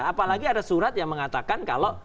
apalagi ada surat yang mengatakan kalau